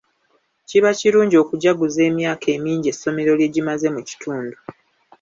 Kiba kirungi okujaguza emyaka emingi essomero lye gimaze mu kitundu.